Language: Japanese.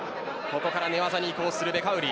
ここから寝技に移行するベカウリ。